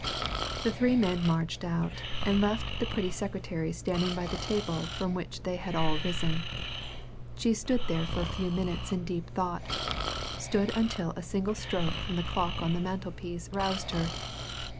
The three men marched out, and left the pretty secretary standing by the table from which they had all risen. She stood there for a few minutes in deep thought stood until a single stroke from the clock on the mantelpiece roused her.